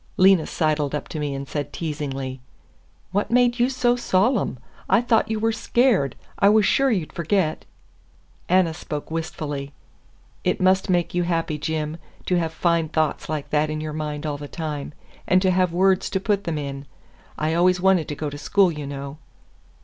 Lena sidled up to me and said teasingly: "What made you so solemn? I thought you were scared. I was sure you'd forget." Anna spoke wistfully. "It must make you happy, Jim, to have fine thoughts like that in your mind all the time, and to have words to put them in. I always wanted to go to school, you know."